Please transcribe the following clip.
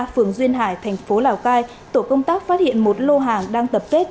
phường duyên hải thành phố lào cai tổ công tác phát hiện một lô hàng đang tập kết